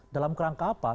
dalam kerangka apa